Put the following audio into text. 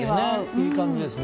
いい感じですね。